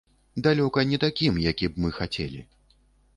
Далёка не такім, які б мы хацелі.